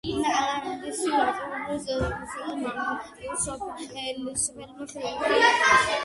ანა კალანდაძე დაიბადა ოზურგეთის მაზრის სოფელ ხიდისთავში.